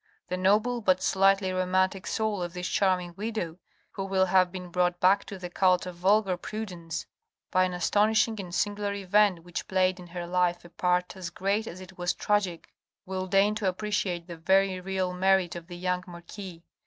The noble but slightly romantic soul of this charming widow, who will have been brought back to the cult of vulgar prudence by an 478 THE RED AND THE BLACK astonishing and singular event which played in her life a part as great as it was tragic, will deign to appreciate the very real merit of the young marquis.